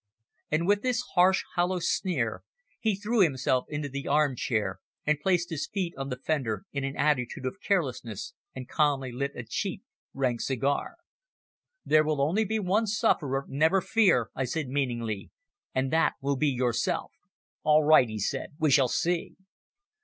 And with this harsh, hollow sneer he threw himself into the armchair and placed his feet on the fender in an attitude of carelessness and calmly lit a cheap, rank cigar. "There will be only one sufferer, never fear," I said meaningly. "And that will be yourself." "All right," he said, "we shall see."